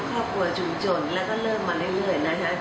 ครอบครัวชุมชนแล้วก็เริ่มมาเรื่อยนะคะ